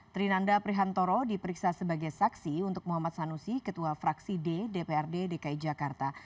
trinanda prihantoro diperiksa sebagai saksi untuk muhammad sanusi ketua fraksi d dprd dki jakarta